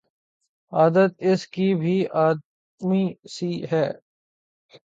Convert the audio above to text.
عادت اس کی بھی آدمی سی ہے